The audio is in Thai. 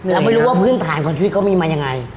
เราไม่รู้ว่าพื้นฐานของชีวิตเขามีมายังไง